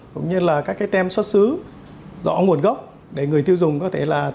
cũng như là các cái tem xuất xứ rõ nguồn gốc để người tiêu dùng có thể là